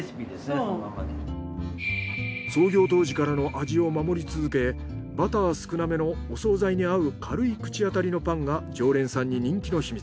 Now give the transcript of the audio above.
創業当時からの味を守り続けバター少なめのお惣菜に合うかるい口当たりのパンが常連さんに人気の秘密。